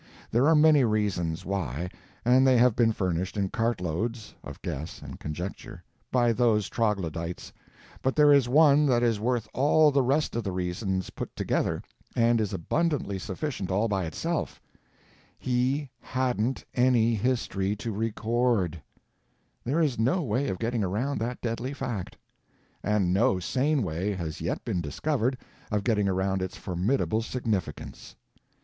There are many reasons why, and they have been furnished in cart loads (of guess and conjecture) by those troglodytes; but there is one that is worth all the rest of the reasons put together, and is abundantly sufficient all by itself—he hadn't any history to record. There is no way of getting around that deadly fact. And no sane way has yet been discovered of getting around its formidable significance.